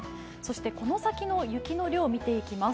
この先の雪の量を見ていきます。